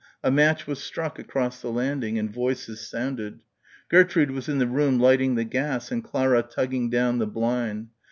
A match was struck across the landing and voices sounded. Gertrude was in the room lighting the gas and Clara tugging down the blind.